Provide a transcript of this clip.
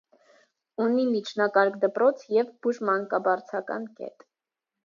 Ունի միջնակարգ դպրոց և բուժմանկաբարձական կետ։